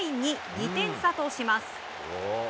２点差とします。